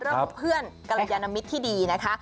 เรื่องเพื่อนกรรยานมิตรที่ดีนะคะ